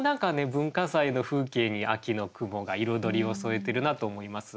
文化祭の風景に「秋の雲」が彩りを添えてるなと思います。